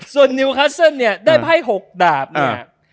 ส่วนนิวคัสเซิลเนี่ยได้ไพ่๖ดาบเนี่ย